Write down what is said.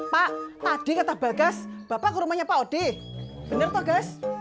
pak tadi kata bal gas bapak ke rumahnya pak odeh bener toh gas